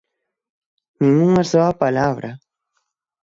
¡Nin unha soa palabra!